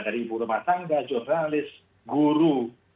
dari ibu rumah tangga jurnalis guru